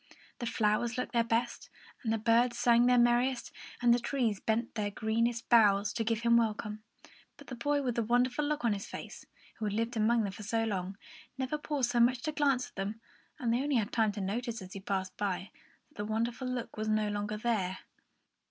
The flowers looked their best, and the birds sang their merriest, and the trees bent their greenest boughs, to give him a welcome; but the boy with the wonderful look on his face, who had lived among them for so long, never paused so much as to glance at them, and they only had time to notice, as he passed them by, that the wonderful look was no longer there.